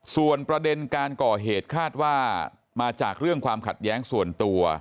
ส่วนประเด็นการก่อเหตุคาดว่ามาจากเรื่องความขัดแย้งส่วนตัว